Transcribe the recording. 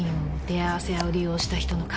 出会わせ屋を利用した人の